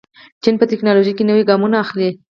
چین په تکنالوژۍ کې نوي ګامونه اخلي.